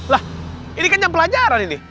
lah ini kan yang pelajaran ini